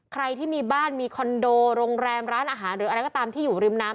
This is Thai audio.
ใครที่มีบ้านมีคอนโดโรงแรมร้านอาหารหรืออะไรก็ตามที่อยู่ริมน้ำ